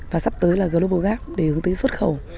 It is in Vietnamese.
và sắp tới là global gap để hướng tới xuất khẩu